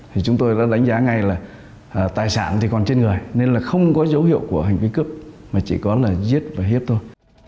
thì chúng tôi đã đánh giá ngay là tài sản thì còn trên người nên là không có dấu hiệu của hành vi cướp mà chỉ có là giết và hiếp thôi